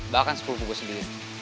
bahkan sepuluh gue sendiri